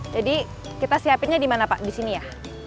jadi kita siapinnya di mana pak di sini ya